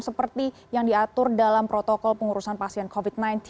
seperti yang diatur dalam protokol pengurusan pasien covid sembilan belas